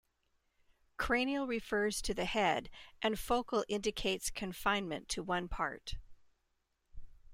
Cranial refers to the head and focal indicates confinement to one part.